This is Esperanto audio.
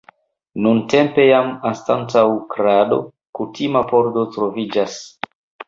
Nuntempe jam anstataŭ krado kutima pordo troviĝas.